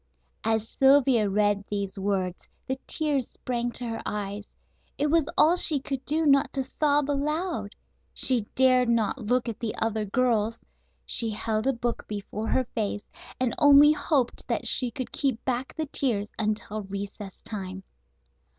As Sylvia read these words the tears sprang to her eyes. It was all she could do not to sob aloud. She dared not look at the other girls. She held a book before her face, and only hoped that she could keep back the tears until recess time.